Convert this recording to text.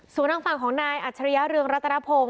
สู่นั่งฝั่งของนายอัจฉริยารึงรัตนาโพง